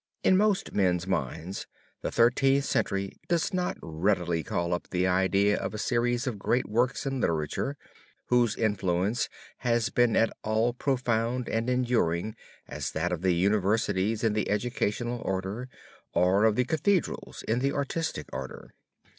In most men's minds the Thirteenth Century does not readily call up the idea of a series of great works in literature, whose influence has been at all as profound and enduring as that of the universities in the educational order, or of the Cathedrals in the artistic order.